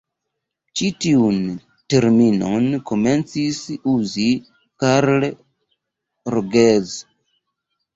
Ĉi tiun terminon komencis uzi Carl Rogers.